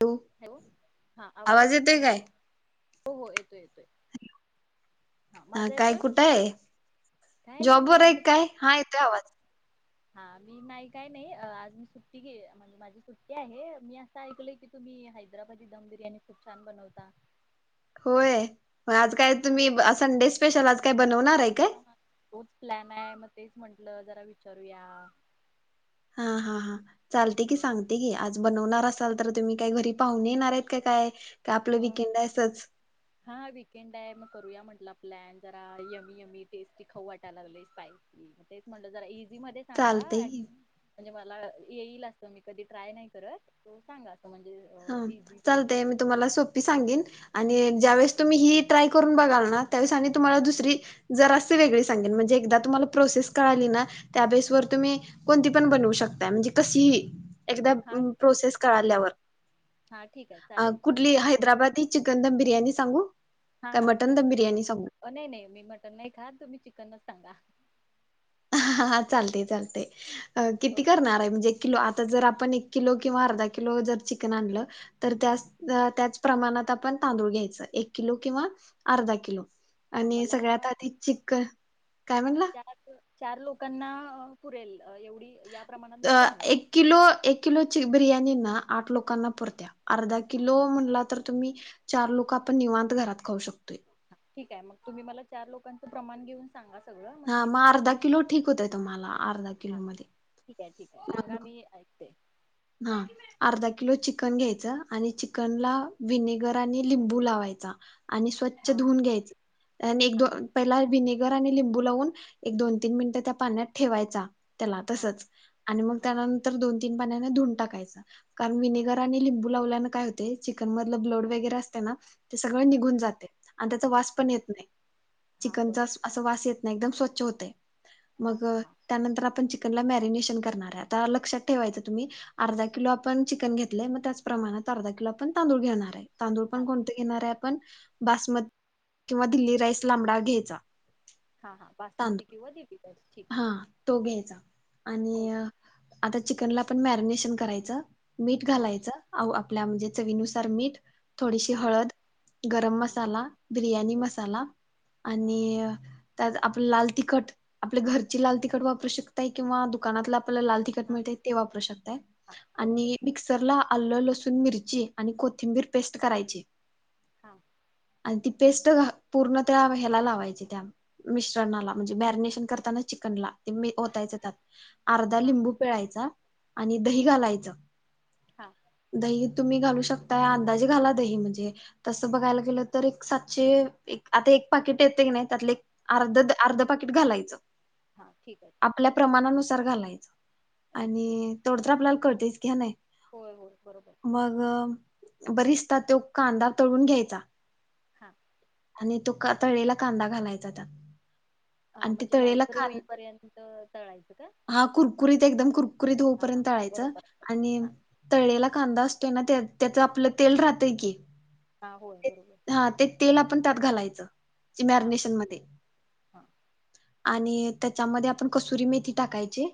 अ hello हा आवाज येतोय माझा? काय हो हो येतोय. येतोय हा माझा काय येतोय कुठे आहे काय नाही जॉब वर आहे निवांत काय हा येतोय आवाज. हा मी नाही काय नाही आज मी सुट्टी घे म्हणजे माझी सुट्टी आहे मी असं ऐकल की तुम्ही हैद्रबादी दम बिर्याणी खूप छान बनवता? होय आज काय तुम्ही हा संडे स्पेशल आज काय बनवणार आहे हा काय हा मग तोच प्लॅन आहे मग तेच म्हंटलं जरा विचारूया. हा हा हा चालते की सांगते की आज बनवणार असाल तर तुम्ही काही घरी पाहून येणार आहेत का काय? का आपलं अ, विकेंड आहे असंच? हा वीकेंड आहे मग करूया म्हटलं प्लॅन जरा यमी यमी टेस्टी खाऊ वाटाय लागलंय स्पायसी तेच म्हटलं जरा [unintelligible] मध्ये सांगा चालतंय की. म्हणजे मला येईल असं मी कधी ट्राय नाही करत तो सांगा. असं म्हणजे ह इझिली चालतेय मला मी तुम्हाला सोप सांगिन आणि ज्यावेळेस तुम्ही ही ट्राय करून बघाल ना त्यावेळेस आणि तुम्हाला दुसरी जरासी वेगळी सांगेन म्हणजे एकदा तुम्हाला प्रोसेस कळाली ना त्या बेसवर तुम्ही कोणती पण बनवू शकताय. म्हणजे कशी एकदा हा प्रोसेस कळाल्यावर हा ठीक आहे अ चालेल तुम्ही कुठली हैदराबाद चिकन दम बी बिर्याणी सांगू हा काय मटन ठीक दम बिर्याणी सांगू आहे नाही नाही मी मटन नाही खा तुम्ही चिकनच सांगा. हा हा चालतंय चालतंय किती ओके करणार हाय म्हणजे किलो आता जर आपण एक किलो किंवा अर्धा किलो जर चिकन आणलं तर त्याच त्याच प्रमाणात आपण तांदूळ घ्यायच एक किलो किंवा अर्धा किलो हां आणि मला सगळ्यात आधी चिकन काय हां म्हणला चार चार लोकांना अं पुरेल अ, एवढी या प्रमाणात अ मला एक बनवायची किलो एक किलोची बिर्याणी ना आठ लोकांना पुरत्या अर्धा हां किलो म्हणला तर तुम्ही चार लोक आपण निवांत घरात खाऊ शकतोय. ठीक आहे मग तुम्ही मला चार लोकांचं प्रमाण घेऊन सांगा सगळं म्हणजे हा मी मग तसं अर्धा किलो ठीक होतंय तुम्हाला अर्धा हां किलोमध्ये. ठीक ठीके सांगा मी ऐकते. हां अर्धा किलो चिकन घ्या घ्यायचं आणि चिकनला विनेगर आणि लिंबू लावायचा. आणि स्वच्छ हां धुऊून घ्यायचं आणि एक हां दोन पहिला विनि गर आणि लिंबू लावून एक दोन तीन मिनिटं त्या पाण्यात ठेवायचा. त्याला हां तसंच आणि मग हां त्यानंतर दोन तीन पाण्या धुवून टाकायचं. कारण हां विनेगर आणि लिंबू लावल्याने काय होतंय चिकन मधलं ब्लड वगैरे असतं ना ते सगळं हां निघून जाते. आणि त्याचा हां वास हां पण हां येत नाही हां चिकनचा बरोबर असं असा वास येत नाही एकदम स्व [inaudible] हां मग हां त्यानंतर आपण चिक ह्याला मॅरिनेशन करणार आता लक्षात ठेवायचं तुमी अर्धा किलो आपण चिकन घेतलंय मग त्याच प्रमाणात अर्धा किलो आपण तांदूळ घेणार आहे तांदूळ पण हां कोणते येणार आहे पण बासमत किंवा दिल्ली राईस लांबडा घ्यायचा. हा हा बासमती तांदूळ किंवा देवी हा तो घ्यायचा आणि ओके आता चिकनला पण मॅरिनेशन करायचं. मीठ हां घालायचं आव आपल्या म्हणजे चवीनुसार मीठ थोडीशी हां हळद, गरम हां मसाला, बिर्याणी ओके मसाला हां आणि त्यात आपलं लाल तिखट आपल्या घरची हां लाल तिखट वापरू शकताय किंवा दुकानातला [unintelligible] लाल तिखट हां मिळते ते वापरू शकताय हां आणि बरोबर मिक्सरला आल्ल लसूण मिरची आणि कोथिंबीर पेस्ट करायची हा आणि ती पेस्ट पूर्ण त्या ह्याला लावायची त्या मिश्रणाला म्हणजे मॅरिनेशन करताना चिकनला ते ओतायच त्यात अर्धा हां लिंबू पिळायचा आणि दही हां घालायचं हां दही तुम्ही घालू शकताय अंदाजे घाला दही म्हणजे तसं बघायला गेलं तर एक सातशे आता एक पाकिट येते नाही त्यातले हां अर्धा अर्धा पाकी [unintelligible] घालायचं हां ठीक आहे ठीक आपल्या प्रमाणानुसार घालायचं आहे ओके आणि तेवढं तर आपल्याला कळतेच कि हाय नाय होय होय बरोबर मग बरीच त्यात त्यो कांदा तळून घ्यायचा हा आणि तो का तळेला कांदा घालायचा त्यात. अं, आणि ते म्हणजे तळेला लालसर कांदा होईपर्यंत तळायचं का हा कुरकुरीत एकदम कुरकुरीत हां हां होऊपर्यंत हां तळायचं बरोबर आणि हां तळेला कांदा असतो त्यांन त्या त्याच आपलं तेल राहतंय की हा होय बरोबर पण त्यात घालायचं म्हणजी हां इमॅरिनेशनमध्ये हां आणि त्याच्यामध्ये आपण कसुरी मेथी टाकायची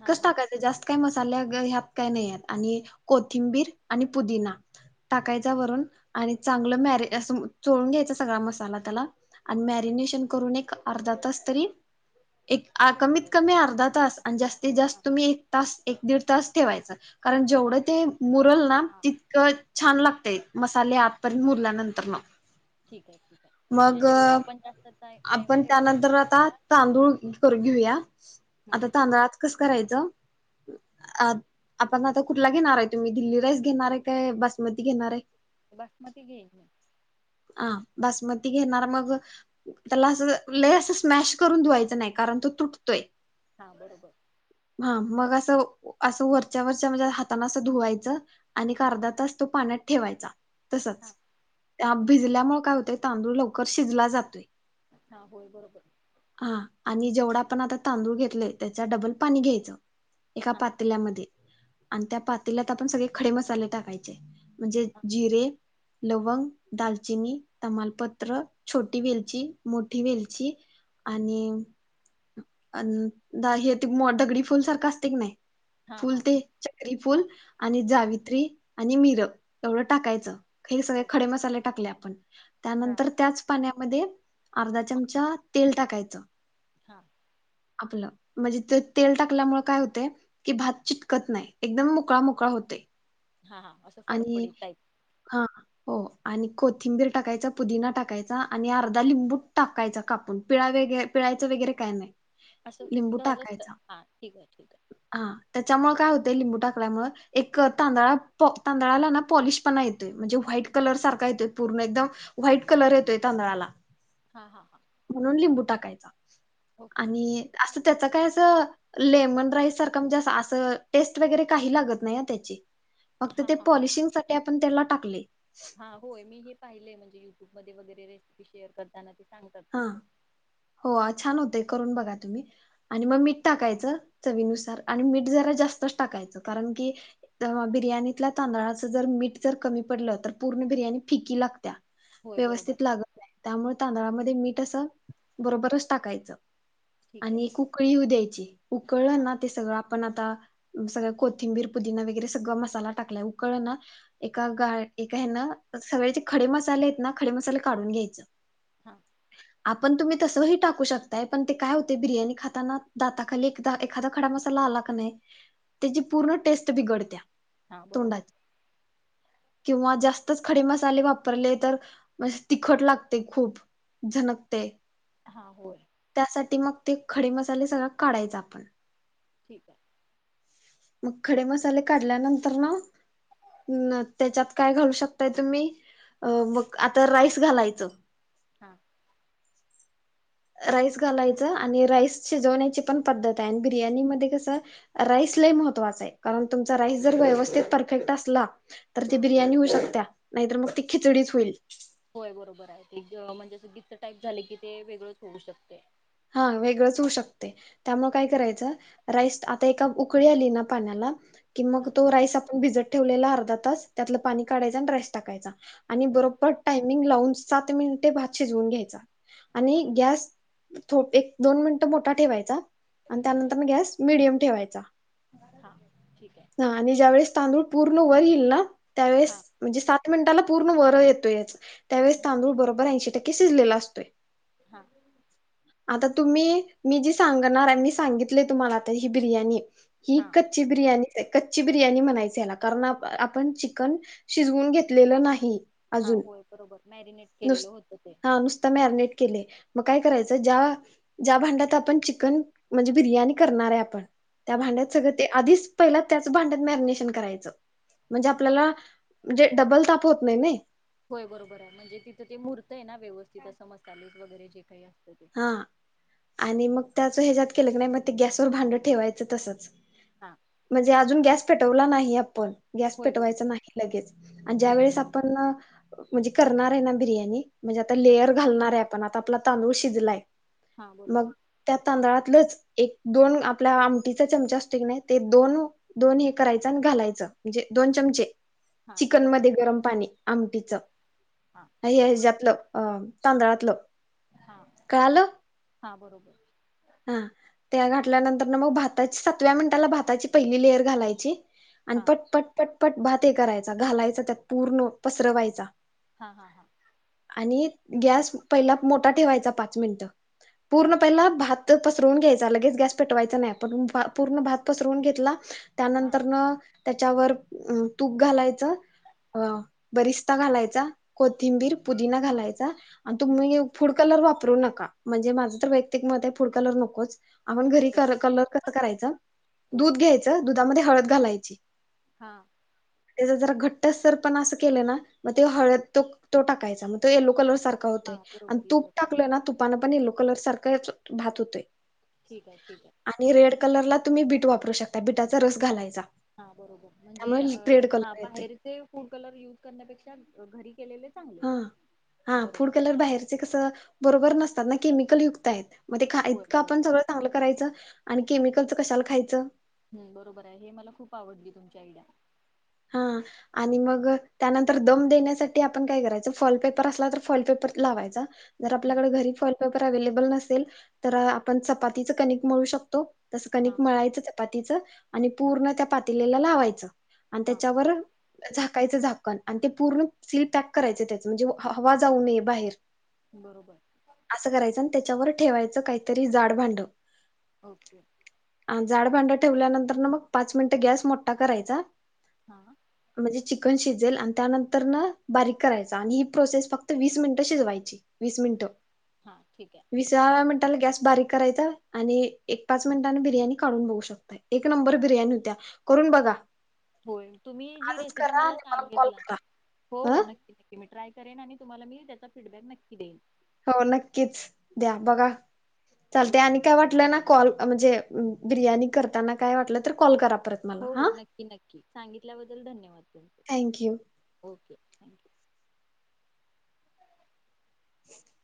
हां हां टाकायचं जास्त काय मस्त [unintelligible] ह्यात काही नाही ह्यात आणि कोथिंबीर आणि पुदिना टाकायचा वरून आणि चांगल मॅरी असं चोळून घ्यायचा सगळा मसाला त्याला आणि हां मॅरिनेशन करून एक अर्धा तास तरी एक ठेवून कमीत द्या कमी अर्धा तास आणि जास्तीत हां जास्त तुम्ही एक तास एक दीड तास ठेवायचं. कारण हां मग जेवढं ते मुरल ना हां तितकं छान लागतय मसाले आतपर्यंत मुरल्यानंतर ठीक आहे ठीक आहे म्हणजे मग जेवढा आपण जास्त टाय टाइम आपण ठेवेल त्यानंतर तेवढं आता त्याला तांदूळ करून घेऊया आता हम्म तांदळात कसं करायचं अ आता दादा कुठला घेणाराय तुम्ही दिल्ली राईस घेणारे काय बासमती घेणार आहे. बासमती घेईल मी अ बासमती घेणार मग त्याला असं लय असं स्मॅश करून धुवायचं नाही कारण तो तुटतोय. हा बरोबर हा मग असं असं वरच्या वरच्या म्हणजे हाताने असं धुवायचं. आणि एक हां अर्धा तास तो पाण्यात ठेवायचा तसंच हां हां त्या काय होतय तांदूळ लवकर शिजला जातोय. हा होय बरोबर हा आणि जेवढा आपण आता तांदूळ घेतलंय त्याच्या डबल पाणी घ्यायचं एका हां पातल्यामध्ये आणि त्या पात्यालात आपण सगळे खडे मसाले टाकायचे. म्हणजे हां जिरे लवंग दालचिनी, तमालपत्र, छोटी वेलची, मोठी वेलची आणि आण हे ते मो दगडी फूल सारखं असतय क नाय हां फुल हां ते चक्री फुल हां आणि जावित्री आणि मिर एवढं हां टाकायचं हे सगळे ओके खडे मसाले टाकले आपण हां त्यानंतर बरोबर त्याच पाण्यामध्ये अर्धा चमचा तेल टाकायचं हा आपलं म्हणजे ते तेल टाकल्यामुळे काय होतय की भात चिटकत नाही एकदम मोकळा मोकळा होतेय. हा हा असं फडफडी टाईप हा हो आणि कोथिंबीर टाकायचा, पुदिना टाकायचा आणि अर्धा लिंबू टाकायचा कापून पिळा व पिळायचं वगैरे काय नाय असं सहजच हा ठीक आहे ठीक आहे. हा त्याच्यामुळे काय होते लिंबू टाकल्यामुळे एक तांदळात पॉ तांदळाला ना पॉलिश पणा येतोय म्हणजे व्हाईट कलर सारखा येतोय पूर्ण एकदम व्हाईट कलर येतोय तांदळाला हा हा हा म्हणून लिंबू टाकायचा ओके आणि असं त्याच काय अस लेमन राईस सारखं म्हणजे असं टेस्ट वगैरे काही लागत नाही ना त्याची फक्त हा ते हा पॉलिशिंगसा ते आपण त्याला टाकले. हा. होय. मी हे पाहिलय म्हणजे यु टूब मध्ये वगेरे रेसिपी शेअर करताना ते सांगतात हा. तसं हो आ छान होते. करून बघा तुम्ही आणि म ठीक आहे मीठ टाकायचं चवीनुसार आणि मीठ जरा जास्तच टाकायचं कारण की, बिर्याणीतल्या तांदळाच जर मीठ जर कमी पडलं तर, पूर्ण बिर्याणी फिकी लागत्या होय बरोबर व्यवस्थित लागत नाही. त्यामुळे तांदळाला ते मीठ अस. बरोबरच टाकायचं. ठीक आहे आणि एक उकळी येऊ द्यायची. उकळ हां ना ते सगळं. आपण आत आता अम सगळ कोथिंबीर, पुदीना वगैरे सगळ मसाला टाकलाय, उकळ ना! एका हां गाळ एका हे न सगळयाचे खडे मसाले आहेत ना, खडे मसाले काढून घ्यायचं. हा. आपण तुम्ही तसंही टाकू शकताय, पण ते काय होतय? बिर्याणी खाताना दाताखाली एख एखादा खडा मसाला आला का नाही? त्याची पूर्ण टेस्ट बिघडतिया. हा बरोबर. किंवा जास्तच खडे मसाले वापरले तर, म अस तिखट लागतय खूप झनकतय. हां होय त्यासाठी मक ते खडे मसाले सगळा, काढायचा आपण ठीक हाय. मग खडे मसाले काढल्यानंतरन, त्याच्यात काय घालू शकताय तुम्ही? अ- मग आता राईस घालायचं. हा. राईस घालायचं आणि राईस शिजवण्याची पण पद्धत हाय आणि बिर्याणी मध्ये कस, राईस लई महत्त्वाचा हाय. कारण तुमचा राईस जर व्यवस्थित परफेक्ट असला तर ती हां बिर्याणी होऊ शकत्या. नाहीतर मग ती खिचडीच हुईल. अ- म्हणजे अस गीचं टाईप झाल की ते, वेगळंच होऊ शकते. हा वेगळंच होऊ शकतय. त्यामुळ काय करायचं, राईस आता एका उकळी आली ना पाण्याला कि मग हां तो राईस आप भिजत ठेवलेला अर्धा तास, त्यातलं पाणी काढायच आणि राईस टाकायचा. आणि हं. बरोबर टायमिंग लावून सात मिनिटे भात शिजवून घ्यायचा. आणि गॅस थो एक दोन मिनिटं मोठा ठेवायचा, आणि त्यानंतरन गॅस मिडियम ठेवायचा. हां ठीक आहे हा आणि ज्यावेेळेस तांदूळ पूर्ण वर यील ना? त्यावेळेस हां म्हणजे सात मिनटाला पूर्ण वर येतोयच. त्यावेळेस हां तांदूळ बरोबर ऐंशी टक्क शिजलेला असतोय. हा. आता तुम्ही, मी जिस सांगणार आणि सांगितलय तुम्हाला आता ही बिर्याणीये ही हां कच्ची बिर्याणीचाय कच्ची बिर्याणी म्हनायच याला कारण आप आपण चिकन शिजवून घेतलेलं नाही. हां अजून होय बरोबर मॅरिनेट नुस केलेलं होतं ते हा नुसत मॅरिनेट केलेय. काय करायचं ज्या ज्या भांड्यात आपण चिकन म्हणजे बिर्याणी करणारे आपण त्या हां भांड्यात सगळं ते आधीच पहिला त्याच भांड्यात मॅरिनेशन करायचं म्हणजे हां आपल्याला म्हणजे डबल ताप होत नाही नाही. होय बरोबराय म्हणजे तिथं ते मुरतंय ना व्यवस्थित असं मसालेच वगैरे जे काही ते हा आणि मग त्याचं ह्याच्यात केलं क नाही मग ते गॅसवर भांडं ठेवायचं तसंच हा म्हणजे अजून गॅस पेटवला नाही आपण गॅस होय पेटवायच बरोबर नाही लगेच आणि ज्या ठीक आहे वेळेस आपण म्हणजे करणारे ना बिर्याणी म्हणजे आता हा लेअर घालणारे आ पण आता आपला तांदूळ शी जलाय हा बरोबर मग त्या तांदळात तलच एक दोन आपल्या आमटीचा चमचा असतोय कानाय ते दोन दोन हे करायच आणि घालायचं म्हणजे दोन चमचे हा चिकन ठीक मध्ये गरम पाणी आमटीच हो हा आणि ह्या ह्याचतलं अ तांदळातलं हा कळालं हा बरोबर हा त्या घातल्यानंतर मग भाताची सातव्या मिनिटाला भाताची पहिली लेयर घालायची आणि हा पट पट पट पट भात हे करायचा घालायचा त्यात पूर्ण पसरवायचा हा हा हा आणि गॅस पहिला मोठा ठेवायचा पाच मिनिट हा पूर्ण पहिला भात त पसरवून घ्यायचा लगेच गॅस पेटवायचा नाही पण पूर्ण भात पसरवून घेतला. हा त्यानंतर न त्याच्यावर तूप घालायचं, अ बरिस्ता घालायचा, कोथिंबीर, पुदिना घालायचा. आणि तुम्ही फूड कलर वा परू नका म्हणजे माझ तर वैयक्तिक मत आहे. फूड कलर नकोच आपण घरी ठीक आहे कर ठीक कलर कस करायच दूध ओके घ्यायचं दुधामध्ये हळद घालायची. हा त्याचा जरा घट्ट सर पणा अस केलं ना म ते हळद तो तो टाकायचा मग तो येलो कलर सारखं हा होतंय आणि बरोबर तूप येलो टाकलं कलर ना तुपानं पण येलो कलर सारखं [inaudible] भात होतय. ठीक आहे ठीक आहे आणि रेड कलरला तुम्ही बीट वापरू शकता बीटाचा रस घालायचा हा बरोबर म्हणजे त्यामुळे अ रेड हा कलर येतोय बाहेरचे फूड कलर युज करण्यापेक्षा घरी केलेलेच हा हा फूड कलर बाहेरचे कसं बरोबर नसतात ना केमिकल युक्त आहेत मग ते होय इतक आपण बरोबर सगळं चांगलं करायचं आणि केमिकलचं कशाला खायचं. हूं बरोबर आहे हे मला खूप आवडली तुमची आयडिया हा आणि मग त्यानंतर दम देण्यासाठी आपण काय करायचं फॉल पेपर असला तर फॉल पेपर लावायचा जर हम्म आपल्याकडे घरी फॉल पेपर अवेलेबल नसेल तर आपण चपातीच कनिक मळू शकतो. तसं हा कणिक मळायचंच चपातीच आणि पूर्ण त्या पातीलेला लावायचं आणि हा त्याच्यावर ठीक झा झाकायचं झाकण आणि ते पूर्ण सील पॅक करायच त्याच म्हणजे हवा जाऊ नये बाहेर बरोबर असं करायचं आणि त्याच्यावर ठेवायच काहीतरी जाड भांड ओके जाड भांड ठेवल्यानंतर ना मग पाच मिनिटं गॅस मोठा करायचा हा म्हणजे चिकन शिजेल आणि त्यानंतर न बारीक करायच आणि ही प्रोसेस फक्त वीस मिनिट शिजवायची वीस मिनिटं हा ठीक आहे विसाव्या मिनिटाला गॅस बारीक करायचा आणि एक पाच मिनिटांनी बिर्याणी काढून बघू शकता एक नंबर बिर्याणी होत्या करून बघा. होय तुम्ही जी आजच रेसिपी करा मला आणि कॉल सांगितला करा हो हो ह नक्की नक्की मी ट्राय करेन आणि तुम्हाला मी त्याचा फीडबॅक नक्की देईन. हो नक्कीच द्या हो बघा हो चालतय हो आणि काय वाटलं ना कॉल म्हणजे बिर्याणी करताना काय वाटलं तर कॉल करा. परत मला हो हो हा नक्की नक्की सांगितल्याबद्दल धन्यवाद थँक्यू ओके थँक्यू [inaudible]